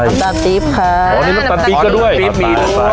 อืมน้ำตาปรี๊บค่ะอ๋อนี่น้ำตาปรี๊บก็ด้วยน้ำตาปรี๊บมีด้วย